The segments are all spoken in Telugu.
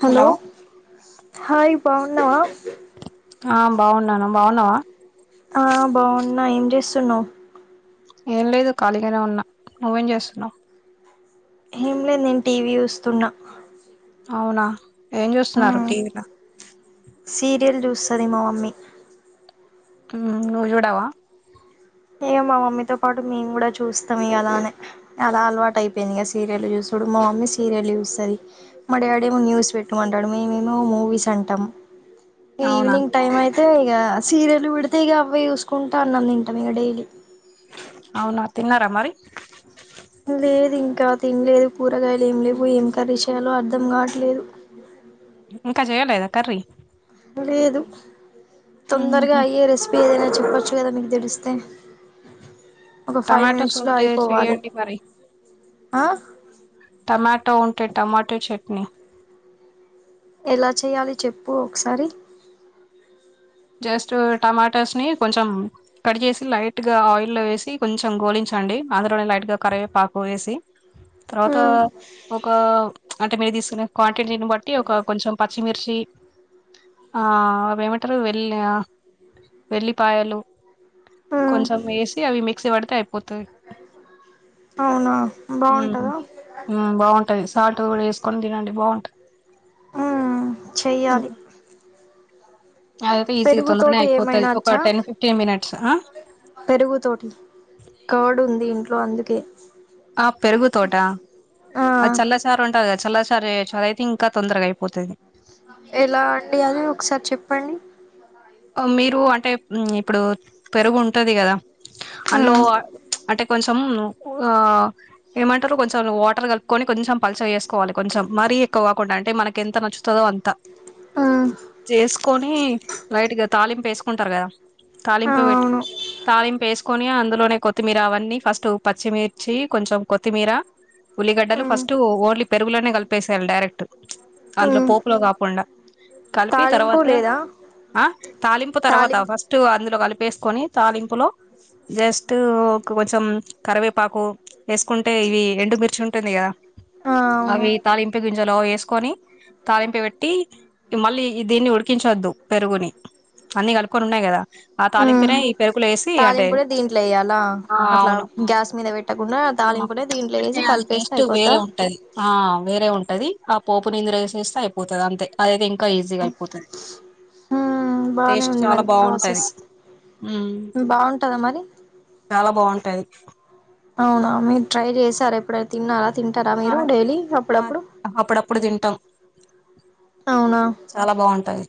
హలో హాయ్ బాగున్నావా. ఆ బాగున్నాను బాగున్నావా. ఆ బాగున్నా ఏం చేస్తున్నావ్ ఏం లేదు ఖాళీగానే ఉన్నా నువ్వేం చేస్తున్నావు. ఏమిలేదు నేను టీవీ చూస్తున్నా. అవునా ఏం చూస్తున్నారు టీవీల. సీరియల్ చూస్తది మా మమ్మీ. ఉమ్ నువ్వు చూడవా. ఇక మా మమ్మీతో పాటు మేము కూడా చూస్తాం. ఇగ అలానే అలా అలవాటు అయిపోయింది ఇక సీరియల్ చూసుడు మా మమ్మీ సీరియల్ చూస్తది. మా డాడి ఏమో న్యూస్ పెట్టుకుంటాడు మేముమో మూవీస్ అంటాము. అవునా ఈవినింగ్ టైమ్ అయి అ ఇక సీరియల్ పేడితే ఇక అవయి చూసుకుంటా అన్నం తిన ఆ మీ డైలీ. అవునా తిన్నారా మరి లేదు ఇంకా తినలేదు. కూరగాయలు ఏం లేవు ఏం కర్రీ చేయాలో అర్థం కావట్లేదు. ఇంకా జేయలేదా కర్రీ. లేదు. తొందరగా ఉహు. అయ్యే రెసిపీ ఏదైనా, చెప్పచ్చు కదా మీకు తెలుస్తే. టమాటోస్ ఉంటే చెయ్యండి. మరి ఆ టమాటో ఉంటే టమాటో చెట్ ఓ ఎలా చేయాలి. చెప్పు ఒకసారి జస్ట్ టమాటోస్ ని కొంచెం కట్ చేసి లైట్ గా ఆయిల్లో వేసి కొంచెం గోలించండి. అందులోనే లైట్ గా కరివేపాకు వేసి తర్వాత మ్మ్ ఒక అంటే మీరు తీసుకునే క్వాంటిటీ బట్టి ఒక కొంచెం. పచ్చిమిర్చి ఆ అవి ఏమంటారు, వె వెల్లిపాయలు. మ్మ్ కొంచెం వేసి అవి మిక్సీ పడితే అయిపోతది. అవునా ఉమ్ బాగుంటదా ఉమ్ బాగుంటది సాల్ట్. టూ డేస్కని తినండి బాగుంటాంది. చేయ్యాలి. అదయితే ఈజీగా తొందరగానే అయిపోతది ఏమైనా ఒక అచ్చా టెన్ ఫిఫ్టీన్ మినిట్స్ ఆ పెరుగుతోటి కర్డ్ ఉంది ఇంట్లో అందుకే ఆ పెరుగు తోటి ఆ చల్లచారు ఉంటది గా చల్లచార్ సరేయచ్చు అదయితే ఇంకా తొందరగా అయిపోతది. ఎలా అండి అది ఒకసారి చెప్పండి. మీరు అంటే ఇప్పుడు పెరుగు ఉంటది కదా. మ్మ్ అనులోవా అంటే కొంచెం ఆ ఏమంటారు కొంచెం వాటర్ కలుపుకొని కొంచెం పలుచగా చేసుకోవాలి కొంచెం మరీ ఎక్కువ కాకుండా అంటే మనకి ఎంత నచ్చుతదో అంత మ్మ్ జేసుకు కొనీ లైట్ గా తాలింపు వేసుకుంటారు కదా ఆ తాలింపు పెట్టు అవును తాలింపు వేసుకొని అందులోనే కొత్తిమీర అవన్నీ ఫస్ట్ పచ్చిమిర్చి కొంచెం కొత్తిమీర ఉల్లిగడ్డలు మ్మ్ ఫస్ట్ ఓన్లీ పెరుగులోనే కలిపేసేయాలి డైరెక్ట్ అందులో మ్మ్ పోపులో కాకుండా కలిపి తాలింపు తర్వాత లేదా ఆ తాలింపు తర్వాత తాలింపు ఫస్ట్ అందులో కలుపు వేసుకొని తాలింపులో జస్ట్ కొంచెం కరివేపాకు వేసుకుంటే ఇవి ఎండుమిర్చి ఉంటుంది కదా ఆ అవును అవి తాలింపి గింజలో వేసు కొని తాలింపి పెట్టి మళ్ళీ దీన్ని ఉడికించద్దు పెరుగుని అన్నీ కలుపుకొని ఉన్నాయి కదా ఆ మ్మ్ తాలింపునే ఈ పెరుకుల వేసి అంటే తాలింపుడే దీంట్లో వేయాలా అట్లా ఆవును గ్యాస్ మీద పెట్టకుండా ఆ మా తాలింపునే పెట్టు దీంట్లో పెడితే వేసి అది కలిపేస్తే టస్ట్ అయిపోద్దా వేరే ఉంటది ఆ వేరే ఉంటది పోపు నింద్రా ఎసిస్తే అయిపోతది అంతే అదె ఇం కా ఈజీ గా అయ్యిపోతది ఉ బాగానే ఉంది మరి ప్రాసెస్ బాగుంటదా మరి బా బాగుంటాది అవునా మీరు ట్రై చేసార ఎప్పుడై తిన్నార తింటరా ఆ మీరు డైలీ ఆ అప్పుడప్పుడు అప్పుడప్పుడు తింటాం అవునా చాలా బాగుంటది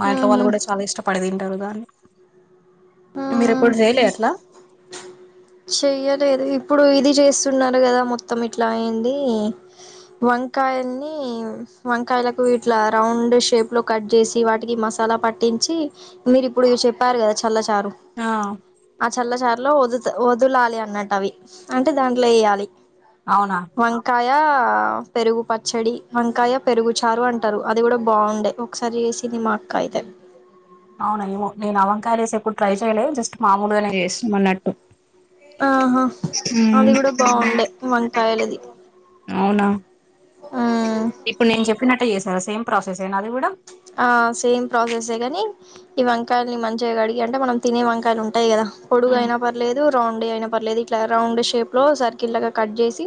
మా ఇంట్లో ఉహు వాళ్ళు కూడ చాలా ఇష్టపడేది ఇం ఎర్రదాన్ని ఉ మీరు ఎప్పుడు జెయలే అట్ల చెయ్యలేదు ఇప్పుడు ఇది చేస్తున్నారు కదా మొత్తం ఇట్లా ఏంది వంకాయని వంకాయలకు ఇట్లా రౌండ్ షేప్ లో కట్ చేసి వాటికి మసాలా పట్టించి మీరు ఇప్పుడు ఇవి చెప్పారు కదా చల్ల చారు ఆ ఆ చల్ల చారు లో వధుతు వదలాలి అన్నట్టు అవి అంటే దాంట్లో ఎయ్యాలి అవున య పెరుగు పచ్చడి వంకాయ పెరుగు చారు అంటారు అది కూడా బాగుండే ఒకసారి చేసింది మా అక్క అయితే అవున ఏమో నేను అ వంకాయలు లేసి ఎప్పుడు ట్రై చేయలే జస్ట్ మామూలుగానే చేసు మల్లట్టు ఆహా అది కూడ బాగుండే వంకాయలది అవునా ఉ ఇప్పుడు నేను చెప్పినట్టే చేసారా సేమ్ ప్రాసెస్ ఏనా అది కూడ ఆ సేమ్ ప్రాసెస్ ఏ గని ఈ వంకాయల్ని మంచిగా కడిగి అంటే మనం తినే వంకాయలు ఉంటాయి కదా పోడుగు అయినా పర్లేదు రౌండ్ ఉండే అయినా పర్లేదు ఇట్ల రౌండ్ షేప్ లో సర్కిల్ లాగా కట్ చేసి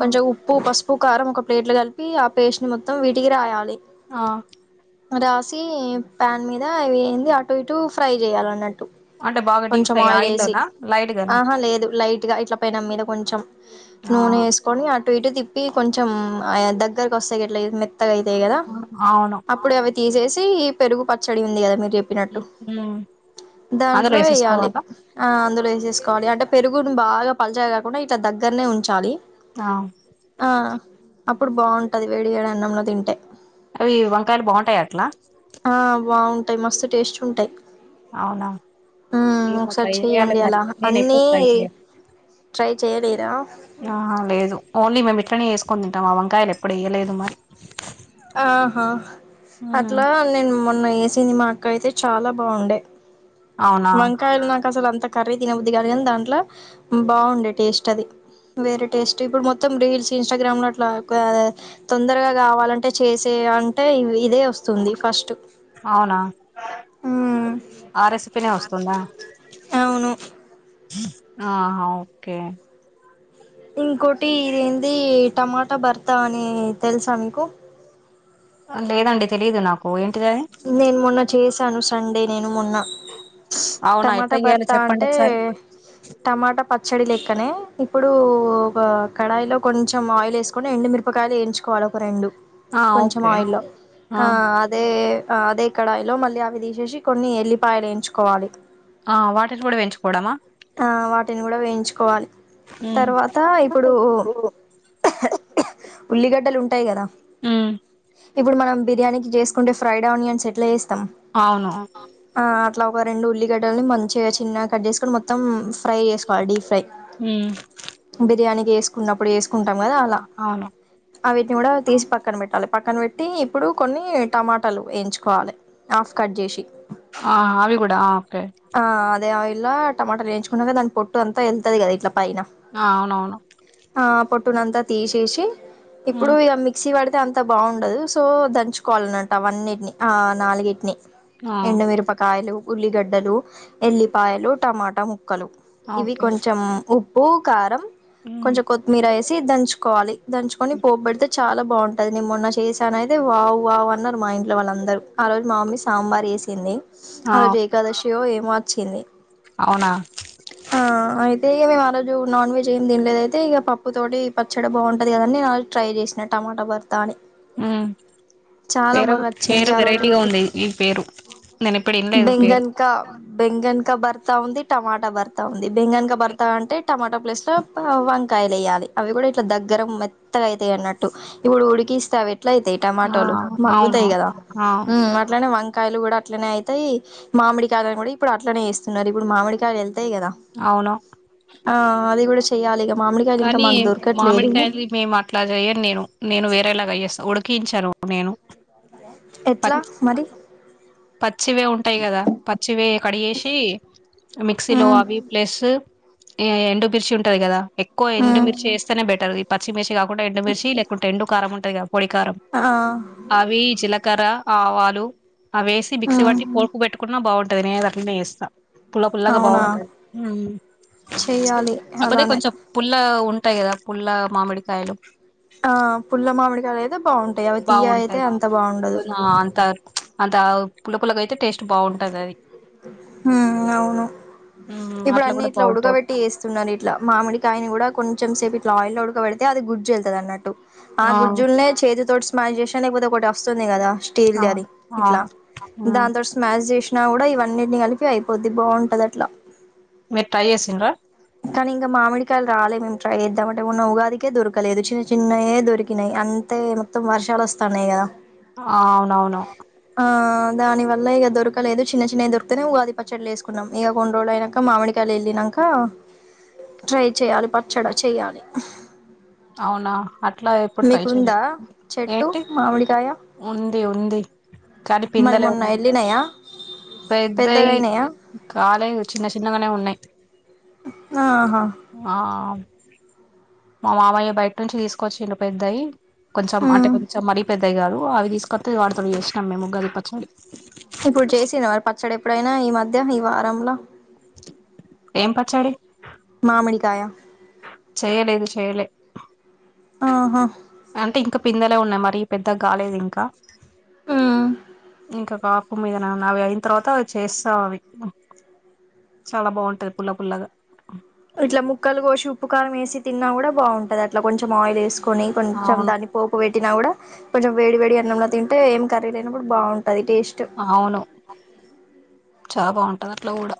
కొంచం ఉప్పు పసు ఉ కారం ఒక ప్లేట్లు కలిపి ఆ పేస్ట్ ని మొత్తం వీటికి రాయాలి ఆ రాసి పాన్ మీద అవి ఏంది అటు ఇటు ఫ్రై చేయాల అన్నట్టు అంటే బాగా డీప్ కొంచెం ఫ్రై ఆయిల్ వేసి ఆయిల్లోనా లైట్ గానా ఆహా లేదు లైట్ గ ఇట్ల పైన మీద కొంచెం ఆ నూనె వేసుకొని అటు ఇటు తిప్పి కొంచెం ఆ దగ్గరకు వస్తే గ ఎట్లా మె అత్తగైతాయి కద అవును అప్పుడు అవి తీసేసి ఈ పెరుగు పచ్చడి ఉంది కద మీరు చెప్పినట్టు ఉమ్. దన్ అందులో లో వేయాలి వేసేసుకోవాలా ఆ అందులో చేసుకోవాలి అంటే పెరుగుని బాగా పలిచాయి కాకుండా ఇట్ల దగ్గరనే ఉంచాలి ఆ ఆ అప్పుడు బాగుంటది వేడివేడి అన్నంలో తింటే అవి వంకాయలు బాగుంటయ అట్ల ఆ బాగుంటాయి మస్తు టేస్ట్ ఉంటాయి అవునా మ్మ్ ఏమో ఒకసారి ట్రై చేయాలి చెయ్యండి మరి అలా నేను ఎప్పుడు అన్నీ ట్రై చేయాలి ట్రై చేయలేదా ఆ లేదు ఓన్లీ మే పట్టనే వేసుకని తింటం ఆ వంకాయలు ఎప్పుడు వేయలేదు మరి ఆహా ఉమ్. అట్లా నేను మొన్న సినిమాకు అయితే చాలా బాగుండే అవునా మంకాయలు నాకసలు అంత అ కర్రీ తినబుది కానీ కానీ దాంట్లో బాగుండే టేస్ట్ అది వేరే టేస్ట్ ఇప్పుడు మొత్తం రీల్స్ ఇన్స్టాగ్రామ్ లో అట్లా తొందరగా కావాలంటే చేసే అంటే ఇదే వస్తుంది ఫస్ట్ అవునా మ్మ్ ఆర్ఎస్ అవును ఆహా ఓకే ఇంకోటి ఇది ఏంది టమాటా భర్త అని తెలుసా మీకు లేదండి తెలీదు నాకు ఏంటిది అది నేను మొన్న చేసాను కండే నేను మొన్న అవునా ఎట్లా టమాటా చేయాలో భర్త చెప్పండి అంటే ఒకసారి టమాటా పచ్చడి లెక్క అ కానే ఇప్పుడు ఒక కడాయిలో కొంచెం ఆయిల్ వేసుకొని ఎండుమిిరపకాయలు వేయించుకోవాలి ఒక రెండు ఆ కొంచెం ఓకే ఆయిల్లో ఆ అదే ఆ అదే కడాయిలో మళ్ళీ అవి తీసేసి కొన్ని ఎల్లిపాయలు వేయించుకోవాలి ఆ వాటిని కూడా పెంచుకోవడమా ఆ వాటిని కూడా వేయించుకోవాలి ఉమ్ తర్వాత ఇప్పుడు ఉల్లిగడ్డలు ఉంటాయి కదా ఉమ్, ఇప్పుడు మనం బిర్యానీ చేసుకుంటే ఫ్రైడ్ నియన్స్ట్లాస్ తను అవును ఆ అత్త అట్లా ఒక రెండు ఉల్లిగడ్డాలని మంచిగా చిన్నగా కట్ చేసుకొని మొత్తం ఫ్రై చేసుకోవాలి డీప్ ఫ్రై ఉ చేసుకున్నప్పుడే వేసుకో వేసుకుంటాం కదా అలా అటిని కూడా తీసి పక్కన పెట్టాలి పక్కన పెట్టి ఇప్పుడు కొన్ని టమాటాలు టమాటాలు వేయించుకోవాలి ఆఫ్ కట్ చేసి ఆ అవి కూడా ఓకే ఇలా టమాటాలు వేయించుకున్నాక దాని పొట్టు అంతా దాని వెళ్తుది కదా ఇట్లా పైనా ఆ, అవునవును ఆ కొట్టు పొట్టునంత తీసేసి ఇప్పుడు ఉమ్, ఇక మిక్సీ పడితే మిక్సీ పడితే అంత బాగుండదు సో దంచుకోవాలన్నట్టు అన్నిటిని ఆ నాలుగింటిని ఆ, ఎండుమిరపకాయలు ఉల్లిగడ్డలు ఎల్లిపాయలు టమాటా ముక్కలు మొక్కలు ఇవి ఓకే కొంచెం ఉప్పు ఉప్పు కారం ఉమ్, కొంచెం కొత్తిమీర వేసి ఇచ్చి దంచుకోవాలి దంచుకొని పోపు పెడితే చాలా బాగుంటుంది అది నేను మొన్న చేశాను అయితే వావ్ వావ్ ఉన్నారు మా ఇంట్లో వాళ్ళందరూ ఆ రోజు మా మమ్మీ సాంబార్ వేసింది ఆ ఆరోజు ఏకాదశి ఏమో చిన్ని అవునా ఆ అయితే ఈరోజు నాన్ వెజ్ ఏం తినలేదుదైతే ఇక పప్పుతోటి పచ్చడి బాగుంటంది కద అని ట్రై చేసిన టమాటా బదులు ఉ వేర బాగా వచ్చింది వేరు ఆ రోజు వెరైటీగా ఉంది ఈ పేరు నేను ఇప్పుడు ఏంలేదు పేరు బనకా భర్తా ఉంది టమాటా భర్తా ఉంది బెంగనకా భర్త అంటే టమాటా ప్లేస్ లో వంకాయలు వయాలి అవి కూడా ఇట్లా దగ్గర మెత్తగా అయితాయిన్నట్టు ఇప్పుడు ఉడికిస్తావి ఎట్లా అయితే ఆ టమాటోలు అవును మగ్గుతాయి కదా ఆ ఊ అట్లానే వంకాయ వంకాయలు కూడా అట్నే అయితయి మామిడికాయలు కూడా ఇప్పుడు అట్నే వస్తున్నారు ఇప్పుడు మామిడికాయలు వెళ్తాయి కదా అవును ఆ అది కూడా చెయ్యాలి ఇగ కానీ మామిడికాయ మేము అట్లా చేయను నేను నేను వేరేలాగా చేస్తా ఉడు కించరు నేను ఎట్లా మరి చ్చివే ఉంటాయి కదా పచ్చివే కడిగేసి మిక్సీలో ఉమ్ అవి ప్లస్ ఏ ఎండు బిర్చి ఉంటది కదా ఎక్కువ ఉమ్ ఎండుమిర్చిస్తేనే బెటర్ ఈ పచ్చిమిర్చ కాకుండా ఎండుమిర్చి లేకుంట ఎండు కరంటేగా ఓడిికారం ఆ అవి జీలకర ఆవాాలు ఆవేసి మిక్సి ఉమ్ బట్టి బిసి మోకు పెట్కుంట బాగుంటుంది నేను అట్లానే చేస్తా పుల పుల్లగా అవునా బాగుంటాంది ఉమ్ చెయ్యాలి కాకపోతే అలానే కొంచెం ఆ ఉంటాయి కదా పుల్ల మామిడికాయలు ఆ పుల్ల మామిడికాయలు అయితే బాగుంటాయి అవి తీయ అయితే బాగుంటాయి అంత బాగుండదు అంత అంత పుల్ల పుల్లగా టేస్ట్ బాగుంటంది అది ఉమ్ అవును ఇప్పుడు అట్లా అన్ని కూడా ఇట్లా బాగుంటది ఉడకబెట్టి చేస్తున్నరు ఇట్లా మామిడికాయని కూడా కొం చం సేపు ఇట్లా ఆయిల్లో ఉడకబడితే అది గుడ్జ వెళ్తుంది అన్నటు ఆ గుజ్జుల్నే చేతి తోటీ స్మాష్ లేకపోతే ఒకటి వస్తుంది కదా స్టీల్ దాది అవును ఇట్లా హ్మ్ దాంతోనీ స్మాష్ చేసి కూడా ఇవన్నీటిని కలిపి అయిపోద్ది బాగుంటది అట్లా మీరు ట్రై చేసిండ్రా కానీ ఇంకా మామిడికాయలు రాలేదు మేము ట్రై చేద్దామంటే మొన్న ఉగాదికే దొరకలేదు చిన్న చిన్నయే దొరికినాయి అంతే మొత్తం వర్షాలు వస్తున్నాయి కదా అవునవును ఆ దాని వల్ల ఇక దొరకలేదు చిన్న చిన్నవి దొరికుతనే ఉగాది పచ్చట్లు వేసుకున్నాం ఇక కొన్ని రోజులు అయినాక మామిడికాయలుు ఎల్లినాంక ట్రై చేయాలి పచ్చడా చేయాలి అవునా అట్లా ఎప్పుడు ట్రై చెయలే చెట్టు ఏంటి మామిడికాయ ఉంది ఉంది కానీ మరి పిందలే మొన్న ఉన్నాయి వెళ్ళినాయా పెద్దవి పెద్దగాయినాయా కాలేదు చిన్న చిన్నగానే ఉన్నాయి ఆహా ఆ మా మామయ్య బయట నుంచి తీసుకొచ్చిండు పెద్దయి. కొంచెం అంటే ఉమ్. కొంచెం మరీ పెద్దయి కాదు అవి తీసుకొత్తే వాటితో చేసినాం మేము ఉగాది పచ్చడి. ఇప్పుడు చేసిన మరి పచ్చడి ఎప్పుడైనా ఈ మధ్య ఈ వారంలో ఏం పచ్చడి? మామిడికాయ చెయలేదు చెయలే ఆహా అంటే ఇంకా పిందులే ఉన్నాయి మరీ పెద్దగా కాలేదు ఇంకా. ఉమ్ ఇంకా కాపు మీద న నావి అయిన తర్వాత చేస్తాం అవి చాలా బావుంటది పుల్ల పుల్లగా ఇట్లా ముక్కలు కోసి ఉప్పు కారం వేసి తిన్నా కూడా బావుంటది. అట్లా కొంచం ఆయిల్ వేసుకు కొని కొంచెం అవును. దాన్ని పోపు పె తిన కూడా కొంచెం వేడి వేడి అన్నంలో తింటే ఏం కర్రీ లేనప్పుడు బావుం అవును చా బొన్ అది అట్లగూడ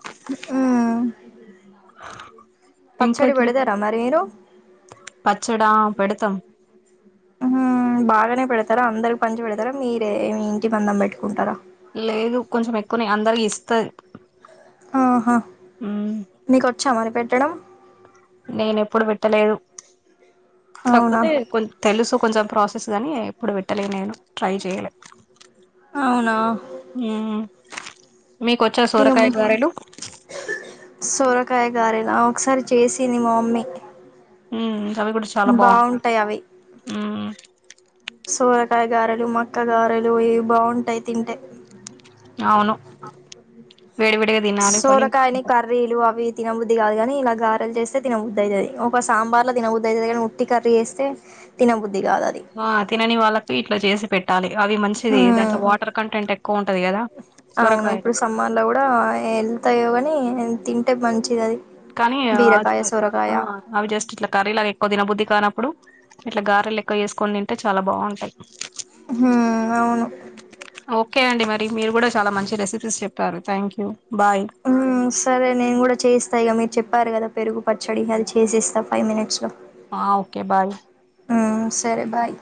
ఉహు ఇంకక్ మీ మరి మీరు పచ్చడా పెడతాం ఉహు బాగానే పెడతారా అందరికి పంచి పెడతారా మీరే ఇంటి మందం పెట్టుకుంటారా? లేదు కొంచెం ఎక్కువనే అందరి ఇస్తది ఆహా మ్మ్ మీకు వచ్చా మరి పె డం నేను ఎప్పుడు పెట్టలేదు. అవునా కాకపోతే కొం తెలుసు కొంచెం ప్రాసెస్ గాని ఇప్పుడు పెట్టలే నేను ట్రై చేయ్యలే. అవునా మీకొచ్చా ఏం సొరకాయ గారెలు కాయ గారేనా ఒకసారి చేసింది మామమ్మీ. మ్ బావుంటాయి అవి ఊ సోరకాయ గారెలు, మక్క గారెలు ఇవి బావుంటాయి తింటే అవును అమ్ వేడి వేడిగా తినాలి కానీ సోరకాయని కర్రీలు అవి తినబుద్ది కాదుగాని ఇలా గారలు చేస్తే తినబుద్ది అయితది. ఒక సాంబార్ లో తిన బుద్ది అయితది. కాని ఉట్టి కర్రీ చేస్తే తినబు ఆ తినని వాళ్ళతో ఇట్లా చేసి పెట్టాలి అవి మంచిది హ్మ్ దాంట్లో వాటర్ కంటెంట్ ఎక్కువ ఉంటది కదా. అవును సొరకాయలో ఇప్పుడు సమ్మర్లో కూడా వెళ్తాయో కాని తింటే మంచిది అది కానీ అ బీరకాయ ఆ సొరకాయ అవి జస్ట్ ఇట్లా కర్రీ లాగా ఎక్కువ దినబుద్ధి కానప్పుడు ఇట్లా గారలు లెక్క చేసుకొని తింటే చాలా బాగుంటాయి ఊహ అవును ఓకే అండి మరి మీరు కూడా చాలా మంచి రెసిపీస్ చెప్పారు థ్యాంక్ యూ బాయ్ హు సరే నేను కూడా చేయిస్తాయి ఇగ మీరు చెప్ప చెప్పారు కదా పెరుగు పచ్చడి అది చేసేస్తా ఫైవ్ మినిట్స్ లో ఆ ఓకే బాయ్ హా సరే బాయ్